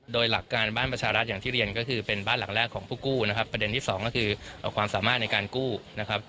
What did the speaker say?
โดยหลักการบ้านประชารัฐอย่างที่เรียนก็คือเป็นบ้านหลังแรกของผู้กู้นะครับประเด็นที่สองก็คือความสามารถในการกู้นะครับ